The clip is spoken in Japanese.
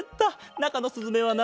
なかのすずめはな